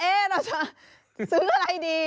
เอ๊ะเราจะซื้ออะไรดี